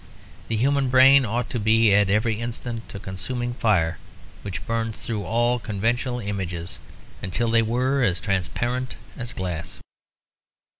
The human brain ought to be at every instant a consuming fire which burns through all conventional images until they were as transparent as glass.